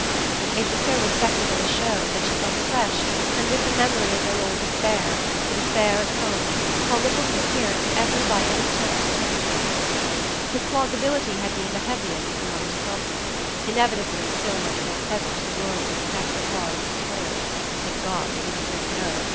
It was so respectable a show that she felt afresh, and with the memory of their old despair, the despair at home, how little his appearance ever by any chance told about him. His plausibility had been the heaviest of her mother's crosses; inevitably so much more present to the world than whatever it was that was horrid thank God they didn't really know!